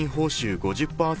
５０％